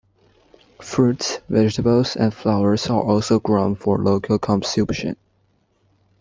Fruits, vegetables, and flowers are also grown for local consumption.